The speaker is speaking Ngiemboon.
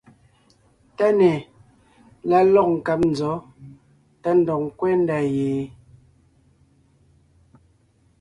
TÁNÈ la lɔ̂g nkáb nzɔ̌ tá ndɔg ńkwɛ́ ndá ye?